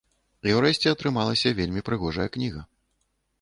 І ўрэшце атрымалася вельмі прыгожая кніга.